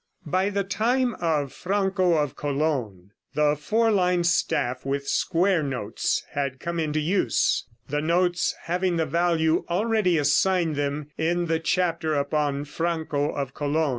] By the time of Franco of Cologne, the four lined staff with square notes had come into use, the notes having the value already assigned them in the chapter upon Franco of Cologne.